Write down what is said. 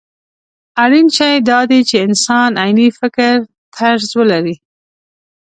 اړين شی دا دی چې انسان عيني فکرطرز ولري.